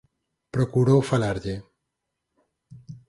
Procurou falarlle.